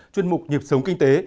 chuyên mục nhịp sống kinh tế